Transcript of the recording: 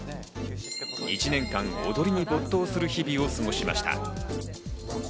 １年間、踊りに没頭する日々を過ごしました。